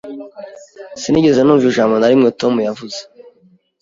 Sinigeze numva ijambo na rimwe Tom yavuze.